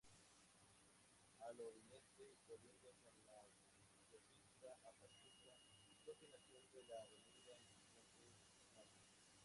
Al oriente colinda con la Autopista a Pachuca, continuación de la Avenida Insurgentes Norte.